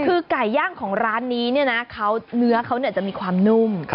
คือไก่ย่างของร้านนี้เนี่ยนะเนื้อเขาจะมีความนุ่ม